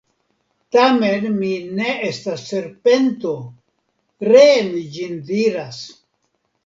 Tamen mi ne estas serpento, ree mi ĝin diras.